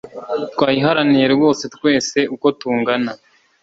Twayiharaniye rwose twese uko tungana.